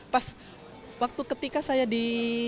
pas waktu ketika saya di